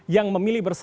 yang memilih bersama